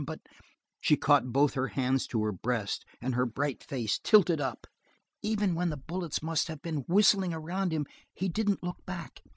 But " she caught both hands to her breast and her bright face tilted up "even when the bullets must have been whistling around him he didn't look back.